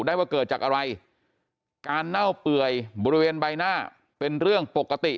ได้ว่าเกิดจากอะไรการเน่าเปื่อยบริเวณใบหน้าเป็นเรื่องปกติ